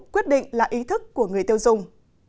quyết định là ý thức của người tiêu dùng